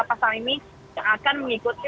pasal ini yang akan mengikuti